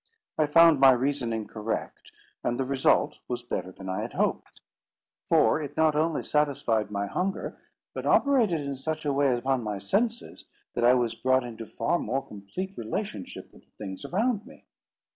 I found my reasoning correct, and the result was better than I had hoped; for it not only satisfied my hunger, but operated in such a way upon my senses that I was brought into far more complete relationship with the things around me.